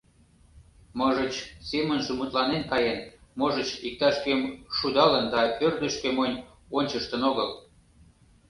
Можыч, семынже мутланен каен, можыч, иктаж-кӧм шудалын да ӧрдыжкӧ монь ончыштын огыл.